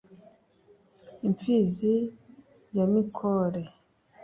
imfizi ya mikore,